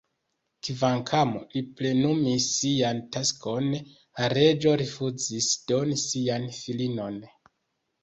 Kvankam li plenumis sian taskon, la reĝo rifuzis doni sian filinon.